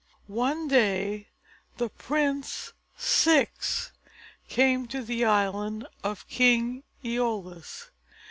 One day the Prince Ceyx came to the island of King Æolus.